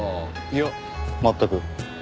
いや全く。